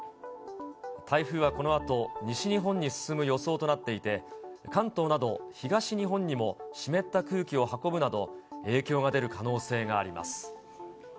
台風はこのあと、西日本に進む予想となっていて、関東など東日本にも湿った空気を運ぶなど、影響が出る可能性があります。